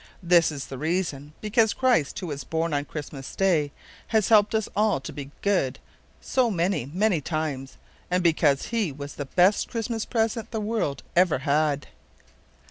This is the reason; because Christ, who was born on Christmas Day, has helped us all to be good so many, many times, and because He was the best Christmas present the world ever had!